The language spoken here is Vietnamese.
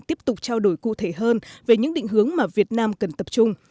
tiếp tục trao đổi cụ thể hơn về những định hướng mà việt nam cần tập trung